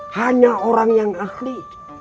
hanya orang yang ahli